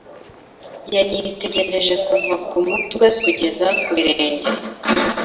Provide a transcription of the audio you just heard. Yanyitegereje kuva ku mutwe kugeza ku birenge.